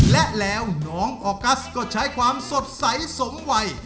และแล้วน้องออกัสก็ใช้ความสดใสสมวัย